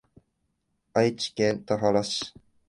愛知県田原市